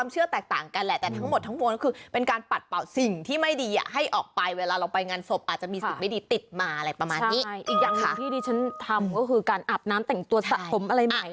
อีกอย่างหนึ่งที่ดิฉันทำก็คือการอาบน้ำแต่งตัวสะสมอะไรใหม่